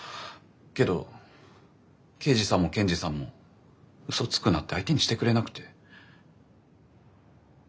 けど刑事さんも検事さんもうそつくなって相手にしてくれなくて。